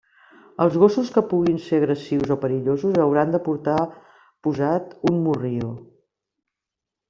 Els gossos que puguin ser agressius o perillosos hauran de portar posar un morrió.